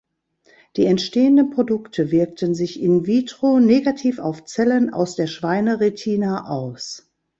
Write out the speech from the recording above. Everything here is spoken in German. Die entstehenden Produkte wirkten sich in vitro negativ auf Zellen aus der Schweine-Retina aus.